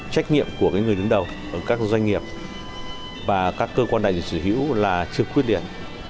trách nhiệm của người đứng đầu ở các doanh nghiệp và các cơ quan đại dịch sử dụng là chưa quyết liệt